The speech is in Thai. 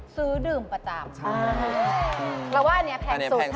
ซื้อดื่มประจำเราว่าอันนี้แพงสุด